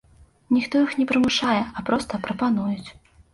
Ніхто іх не прымушае, а проста прапануюць.